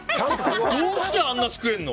どうしてあんなにすくえるの？